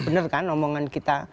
bener kan omongan kita